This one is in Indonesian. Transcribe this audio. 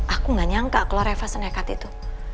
aku gak nyangka kalau reva senekat itu